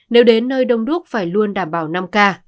nếu đến nơi đông đúc phải luôn đảm bảo năm k